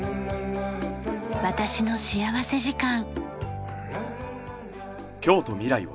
『私の幸福時間』。